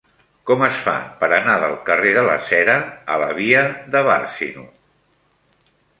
Com es fa per anar del carrer de la Cera a la via de Bàrcino?